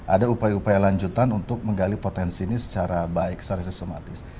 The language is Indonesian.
ada upaya upaya lanjutan untuk menggali potensi ini secara baik secara sistematis